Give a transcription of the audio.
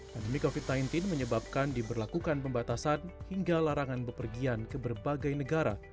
pandemi covid sembilan belas menyebabkan diberlakukan pembatasan hingga larangan bepergian ke berbagai negara